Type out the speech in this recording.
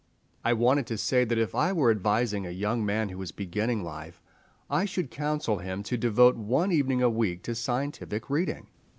I wanted to say that if I were advising a young man who was beginning life, I should counsel him to devote one evening a week to scientific reading.